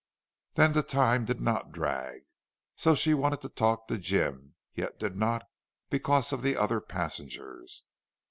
Then the time did not drag so. She wanted to talk to Jim, yet did not, because of the other passengers.